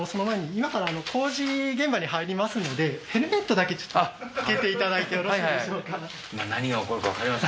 今から工事現場に入りますのでちょっとつけていただいてよろしいでしょうか？